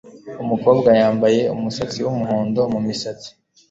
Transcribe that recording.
Umukobwa yambaye umusatsi wumuhondo mumisatsi.